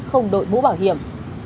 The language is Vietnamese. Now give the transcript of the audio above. không đội mũ bảo hiểm